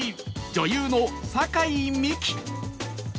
女優の酒井美紀